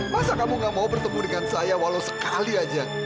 masa kamu gak mau bertemu dengan saya walau sekali saja